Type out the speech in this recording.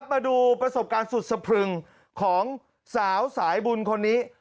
มาดูประสบการณ์สุดสะพรึงของสาวสายบุญคนนี้